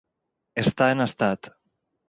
Estar en estat.